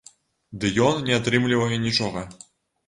Ды ён не атрымлівае нічога.